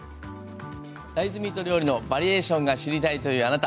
大豆ミート料理のバリエーションが知りたいというあなた！